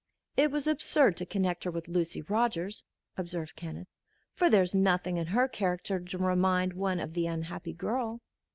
"It was absurd to connect her with Lucy Rogers," observed Kenneth, "for there is nothing in her character to remind one of the unhappy girl."